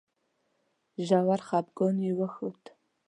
ژور خپګان یې وښود.